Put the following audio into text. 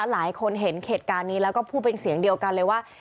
หลายคนเห็นเหตุการณ์นี้แล้วก็พูดเป็นเสียงเดียวกันเลยว่า